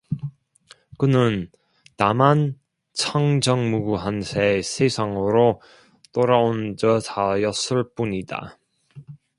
그는 다만 청정무구한 새 세상으로 돌아온 듯하였을 뿐이다.